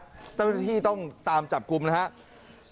เจ้าหน้าที่ต้องตามจับกลุ่มนะครับ